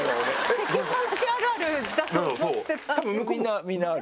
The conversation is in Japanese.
世間話あるあるだと思ってた。